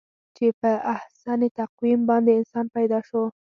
چې په احسن تقویم باندې انسان پیدا شو.